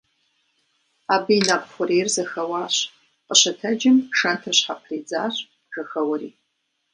Абы и нэкӀу хъурейр зэхэуащ, къыщытэджым шэнтыр щхьэпридзащ, жьэхэуэри.